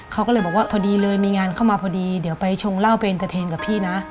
เขาก็เลยบอกว่าพอดีเลยมีงานเข้ามาพอดีเดี๋ยวไปชงเหล้าเป็นเอ็นกับพี่นะ